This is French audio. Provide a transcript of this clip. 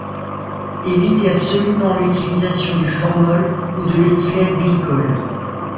Éviter absolument l'utilisation du formol ou de l'éthylène-glycol.